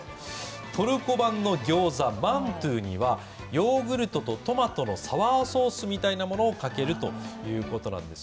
トルコ版のギョウザ、マントゥにはヨーグルトとトマトのサワーソースのようなものをかけるということなんです。